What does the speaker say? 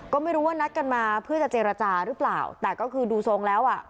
ก็ไม่รู้ว่านัดกันมาเพื่อจะเจรจาหรือเปล่าแต่ก็คือดูทรงแล้วอ่ะ